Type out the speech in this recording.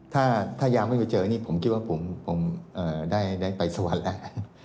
ถ้ายังไม่มาเจอนี่ผมคิดว่าผมได้ไปสวรรค์แล้ว